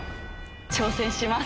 挑戦します。